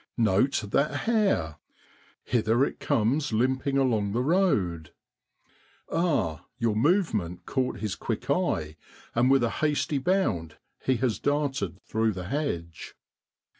Note that hare! hither it comes limping along the road. Ah! your movement caught his quick eye, and with a hasty bound he has darted through the hedge.